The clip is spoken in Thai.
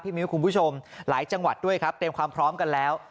มิ้วคุณผู้ชมหลายจังหวัดด้วยครับเตรียมความพร้อมกันแล้ว